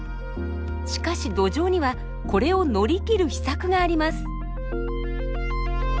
しかしドジョウにはこれを乗り切る秘策があります。